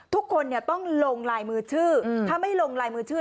ทุกคนต้องลงลายมือชื่อถ้าไม่ลงลายมือชื่อ